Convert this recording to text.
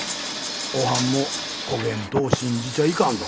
おはんもこげんとを信じちゃいかんど。